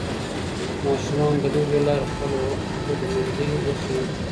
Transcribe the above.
ماشومان د لوبو له لارې خپله هوډمندۍ وښيي